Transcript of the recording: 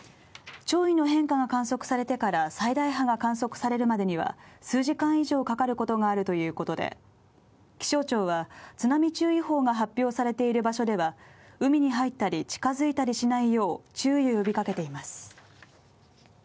潮位の変化が観測されてから最大波が観測されるまでには数時間以上かかることがあるということで、気象庁は津波注意報が発表されている場所では海に入ったり近づいたりしないよう注意を呼びかけています。